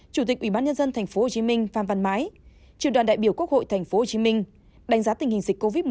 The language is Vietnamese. chủ tịch ubnd tp hcm phan văn mãi triều đoàn đại biểu quốc hội tp hcm đánh giá tình hình dịch covid một mươi chín